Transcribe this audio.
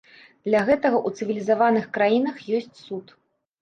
Для гэтага ў цывілізаваных краінах ёсць суд.